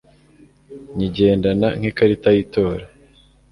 nyigendana nk' ikarita y' itora